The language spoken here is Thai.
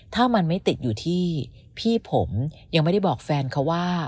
ถ้ามันไม่ติดอยู่ที่พี่ผมยังไม่ได้บอกแฟนเขาว่า